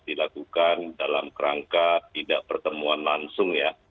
dilakukan dalam kerangka tidak pertemuan langsung ya